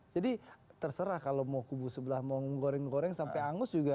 jadi terserah kalau mau kubu sebelah mau menggoreng goreng sampai angus juga